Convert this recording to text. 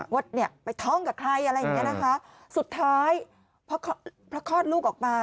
ว่าเนี่ยไปท้องกับใครอะไรอย่างเงี้ยนะคะสุดท้ายเพราะคลอดลูกออกมา